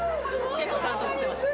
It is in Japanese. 結構、ちゃんと映ってましたね。